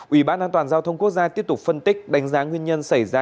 ủy ban an toàn giao thông quốc gia tiếp tục phân tích đánh giá nguyên nhân xảy ra